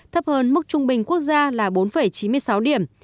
thấp hơn mức trung bình quốc gia là bốn chín mươi sáu điểm